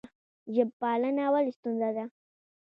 ژب پالنه ولې ستونزه ده؟